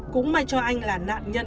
cũng may cho anh là nạn nhân mà